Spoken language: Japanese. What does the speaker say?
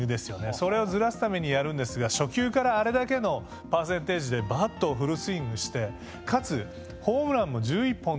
それをずらすためにやるんですが初球からあれだけのパーセンテージでバットをフルスイングしてかつホームランも１１本という数字になるわけですね。